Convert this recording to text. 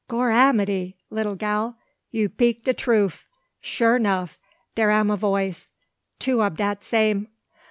"Gorramity! little gal, you 'peak de troof. Sure 'nuff dere am a voice, two ob dat same.